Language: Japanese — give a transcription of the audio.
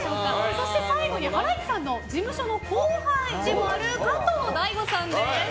そして最後にハライチさんの事務所の後輩でもある加藤大悟さんです。